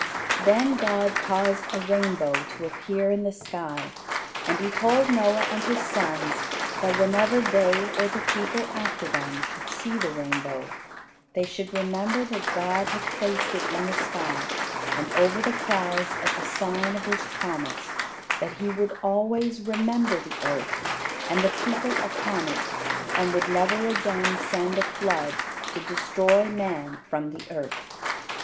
Then God caused a rainbow to appear in the sky, and he told Noah and his sons that whenever they or the people after them should see the rainbow, they should remember that God had placed it in the sky and over the clouds as a sign of his promise, that he would always remember the earth, and the people upon it, and would never again send a flood to destroy man from the earth.